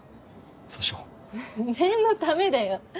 念のためだよ。